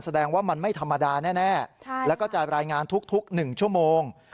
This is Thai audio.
แสดงว่ามันไม่ธรรมดาแน่แล้วก็จะรายงานทุก๑ชั่วโมง